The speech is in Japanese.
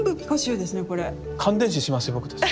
感電死しますよ僕たち。